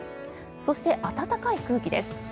そして、暖かい空気です。